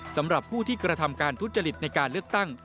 สำหรับผู้ที่กระทำการทุจริตในการเลือกตั้ง